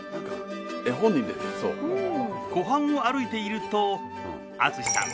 湖畔を歩いていると敦士さん